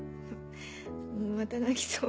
また泣きそう。